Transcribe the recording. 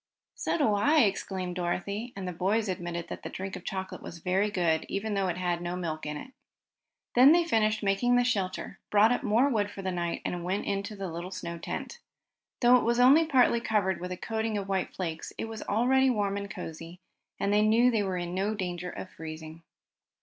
"So do I!" exclaimed Dorothy, and the boys admitted that the drink of chocolate was very good, even though it had no milk in it. Then they finished making the shelter, brought up more wood for the night, and went in the little snow tent. Though it was only partly covered with a coating of white flakes, it was already warm and cozy, and they knew that they were in no danger of freezing.